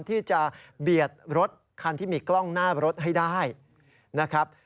ที่จะเบียดรถคันที่มีกล้องหน้ารถให้ได้นะครับ